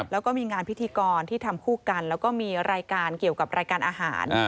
แล้วก็มีงานพิธีกรที่ทำคู่กันแล้วก็มีรายการเกี่ยวกับรายการอาหาร